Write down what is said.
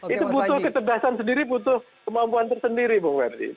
itu butuh keterdasan sendiri butuh kemampuan tersendiri bapak mbak erdi